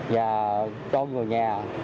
và cho người nhà